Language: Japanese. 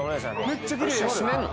めっちゃきれい閉めんの？